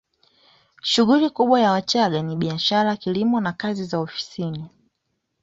Shughuli kubwa ya Wachagga ni biashara kilimo na kazi za ofisini